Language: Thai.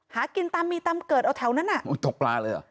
หากินตำมีตำเกิดเอาแถวนั้นอ่ะตกปลาเลยอ่ะ